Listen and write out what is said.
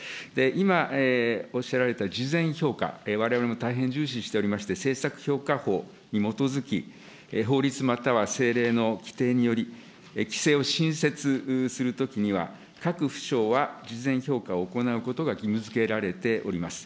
今、おっしゃられた事前評価、われわれも大変重視しておりまして、政策評価法に基づき、法律または政令の規定により、規制を新設するときには、各府省は事前評価を行うことが義務づけられております。